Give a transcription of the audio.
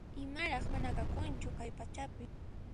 Imaraq mana kanchu kay pachapi